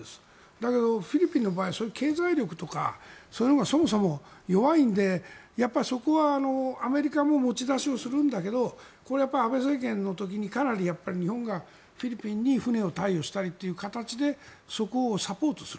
だけどフィリピンの場合は経済力とかそういうのがそもそも弱いのでやっぱりそこはアメリカも持ち出しをするんだけどこれは安倍政権の時にかなり日本がフィリピンに船を貸与したりという形でそこをサポートする。